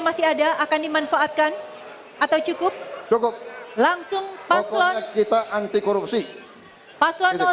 masih ada akan dimanfaatkan atau cukup cukup langsung paslon kita anti korupsi paslon dua